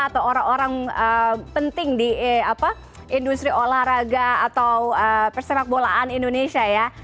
atau orang orang penting di industri olahraga atau persepak bolaan indonesia ya